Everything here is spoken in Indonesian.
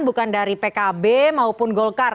bukan dari pkb maupun golkar